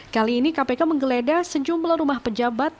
kali ini kpk menggeledah sejumlah rumah pejabat